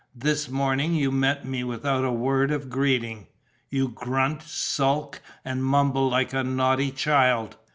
This morning you meet me without a word of greeting. You grunt, sulk and mumble like a naughty child.